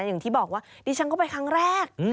อย่างที่บอกว่าดิฉันก็ไปครั้งแรก